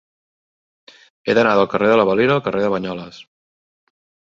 He d'anar del carrer de la Valira al carrer de Banyoles.